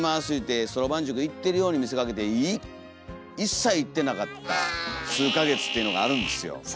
言うてそろばん塾行ってるように見せかけて一切行ってなかった数か月っていうのがあるんですよ。